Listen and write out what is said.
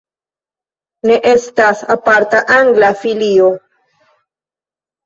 Ne estas aparta angla filio.